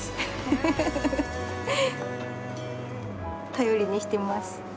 頼りにしてます。